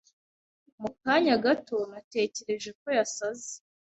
Mu kanya gato, natekereje ko yasaze.